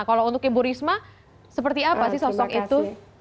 kalau untuk ibu risma seperti apa sih sosok itu